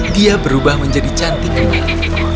dia berubah menjadi cantik kembali